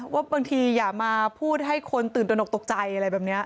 ว่าบางทีอย่ามาพูดให้คนตื่นตระหนกตกใจอะไรแบบนี้